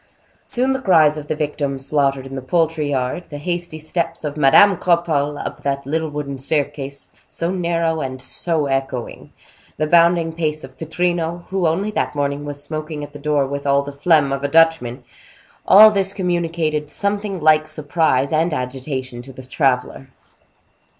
Soon the cries of the victims slaughtered in the poultry yard, the hasty steps of Madame Cropole up that little wooden staircase, so narrow and so echoing; the bounding pace of Pittrino, who only that morning was smoking at the door with all the phlegm of a Dutchman; all this communicated something like surprise and agitation to the traveler.